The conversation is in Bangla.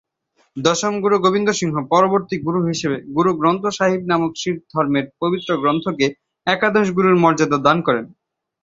দশম গুরু গোবিন্দ সিংহ পরবর্তী গুরু হিসেবে গুরু গ্রন্থ সাহিব নামক শিখ ধর্মের পবিত্র গ্রন্থকে একাদশ গুরুর মর্যাদা দান করেন।